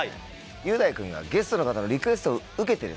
雄大君がゲストの方のリクエストを受けてですね